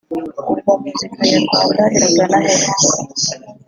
ubwo Muzika Nyarwanda iragana he